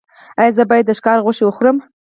ایا زه باید د ښکار غوښه وخورم؟